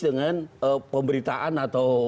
dengan pemberitaan atau